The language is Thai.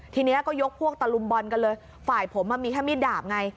ทีนี้ก็ยกพวกตะลุมบอลกันเลยฝ่ายผมมีแค่มีดดาบไง